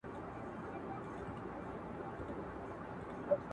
د وجود ساز ته یې رگونه له شرابو جوړ کړل